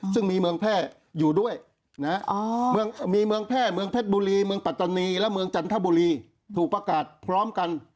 ซึ่งมีเมืองแพร่อยู่ด้วยนะมีเมืองแพร่เมืองเพชรบุรีเมืองปัตตานีและเมืองจันทบุรีถูกประกาศพร้อมกัน